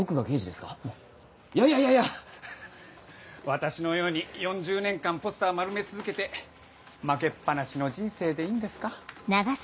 私のように４０年間ポスター丸め続けて負けっぱなしの人生でいいんですか？